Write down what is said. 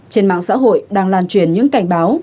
trên mạng xã hội đang lan truyền những cảnh báo